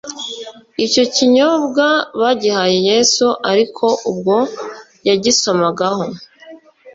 icyo kinyobwa bagihaye yesu; ariko ubwo yagisomagaho,